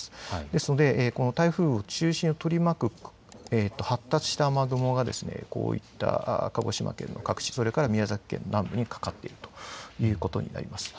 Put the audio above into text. ですので、台風の中心を取り巻く発達した雨雲がこういった鹿児島県の各地、あるいは宮崎県南部にかかっているということになります。